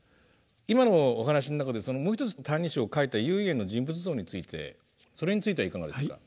今のお話の中でもう一つ「歎異抄」を書いた唯円の人物像についてそれについてはいかがですか？